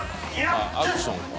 「アクションか」